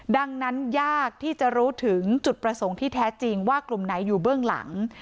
ดังนั้นยากที่จะรู้ถึงจุดประสงค์ที่แท้จริงว่ากลุ่มไหนอยู่เบื้องหลัง